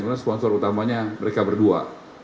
karena sponsor utamanya mereka berdua